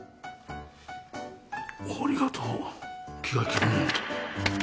ありがとう気が利くね